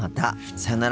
さよなら。